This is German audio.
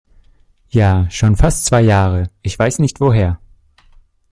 Ja, schon fast zwei Jahre. Ich weiß nicht woher.